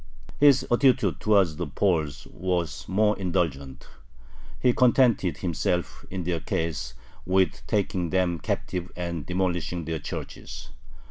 His attitude towards the Poles was more indulgent. He contented himself in their case with taking them captive and demolishing their churches.